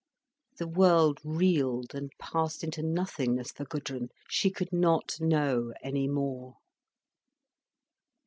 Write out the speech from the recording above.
The world reeled and passed into nothingness for Gudrun, she could not know any more.